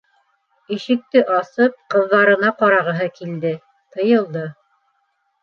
Ишекте асып, ҡыҙҙарына ҡарағыһы килде - тыйылды.